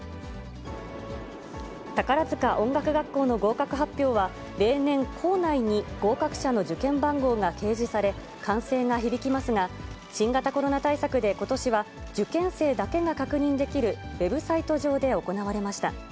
宝塚音楽学校の合格発表は例年、校内に合格者の受験番号が掲示され、歓声が響きますが、新型コロナ対策でことしは受験生だけが確認できる、ウェブサイト上で行われました。